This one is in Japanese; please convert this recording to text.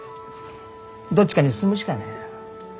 どっちかに進むしかねえ。